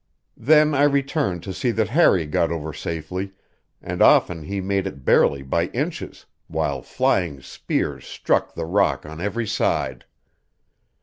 Then I returned to see that Harry got over safely, and often he made it barely by inches, while flying spears struck the rock on every side.